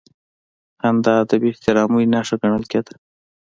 خندا د بېاحترامۍ نښه ګڼل کېده.